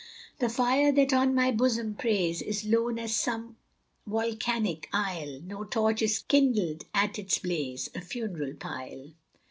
The fire that on my bosom preys Is lone as some volcanic isle; No torch is kindled at its blaze A funeral pile.